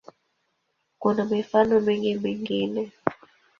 Kuna mifano mingi mingine.